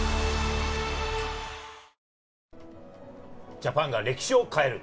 ジャパンが歴史を変える！